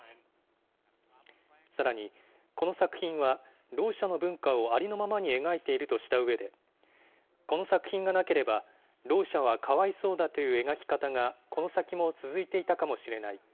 さらに、この作品は、ろう者の文化をありのままに描いているとしたうえで、この作品がなければ、ろう者はかわいそうだという描き方がこの先も続いていたかもしれない。